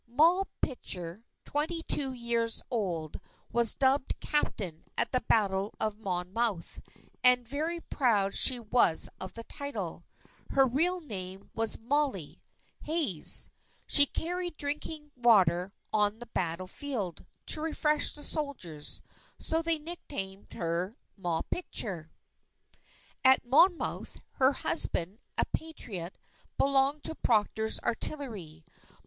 _ Moll Pitcher, twenty two years old, was dubbed Captain at the Battle of Monmouth, and very proud she was of the title. Her real name was Molly Hays. She carried drinking water on the battle field, to refresh the soldiers; so they nicknamed her Moll Pitcher. At Monmouth, her husband, a Patriot, belonged to Proctor's artillery.